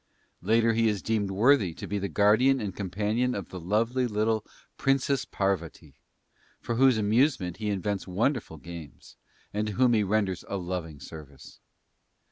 Later he is deemed worthy to be the guardian and companion of the lovely little Princess Parvati, for whose amusement he invents wonderful games, and to whom he renders a loving service.